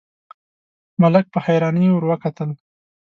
ملک په حيرانۍ ور وکتل: